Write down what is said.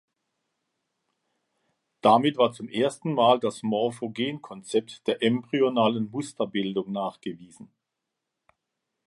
Damit war zum ersten Mal das Morphogen-Konzept der embryonalen Musterbildung nachgewiesen.